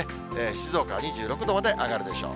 静岡は２６度まで上がるでしょう。